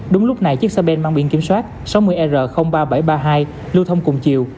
đúng lúc này chiếc xe ben mang biển kiểm soát sáu mươi r ba nghìn bảy trăm ba mươi hai lưu thông cùng chiều